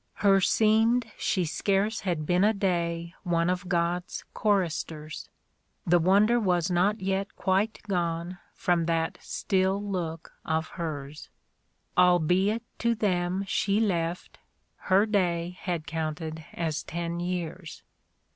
Herseemed she scarce had been a day One of God's choristers ; The wonder was not yet quite gone From that still look of her's ; Albeit to them she left, her day Had counted as ten years.